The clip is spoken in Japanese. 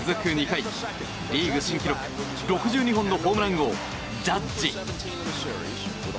２回リーグ新記録、６２本のホームラン王、ジャッジ。